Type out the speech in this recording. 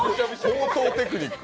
高等テクニック。